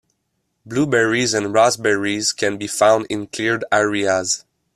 Blueberries and raspberries can be found in cleared areas.